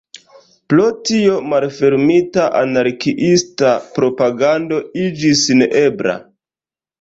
Pro tio malfermita anarkiista propagando iĝis neebla.